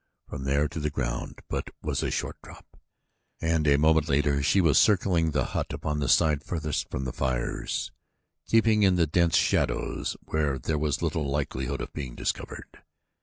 From there to the ground was but a short drop and a moment later she was circling the hut upon the side farthest from the fires, keeping in the dense shadows where there was little likelihood of being discovered.